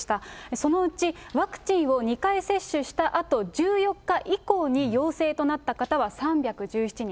そのうちワクチンを２回接種したあと１４日以降に陽性となった方は３１７人。